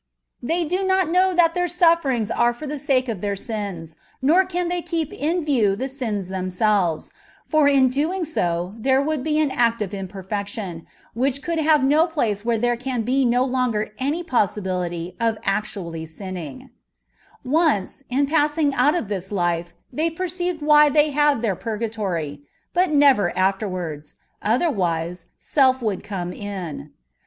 They do not know that their sufierings are for the sake of their sins, nor can they keep in view the sins themselves ;* for in doing so th«:« would be an act of imperfection, whidi could bave no place where there can be no longer aay poBsibility of actually sinning. * Set Appendix A. A TBEATISE ON PUEGATORY. à Once, in passing out of tliis life, they perceive why'they bave tbeir purgatory; but never aftor wards, otherwise self would come in.